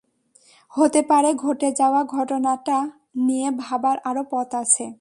হতে পারে ঘটে যাওয়া ঘটনাটা নিয়ে ভাবার আরো পথ আছে।